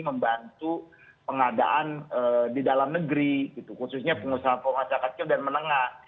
membantu pengadaan di dalam negeri khususnya pengusaha pengusaha kecil dan menengah